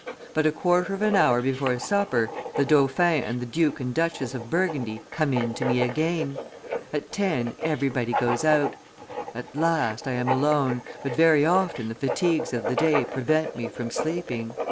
But a quarter of an hour before supper, the dauphin and the Duke and Duchess of Burgundy come in to me again. At ten, everybody goes out. At last I am alone, but very often the fatigues of the day prevent me from sleeping."